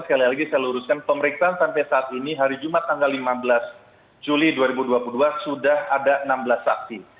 sekali lagi saya luruskan pemeriksaan sampai saat ini hari jumat tanggal lima belas juli dua ribu dua puluh dua sudah ada enam belas saksi